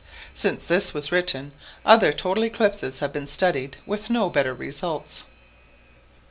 Since this was written, other total eclipses have been studied with no better results.